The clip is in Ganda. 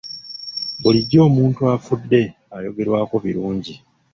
Bulijjo omuntu afudde ayogerwako birungi.